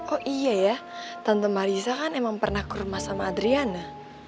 oh iya ya tante marisa kan emang pernah ke rumah sama adriana